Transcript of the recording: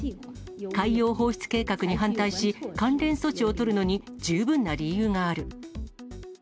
海洋放出計画に反対し、関連措置をとるのに十分な理由がある。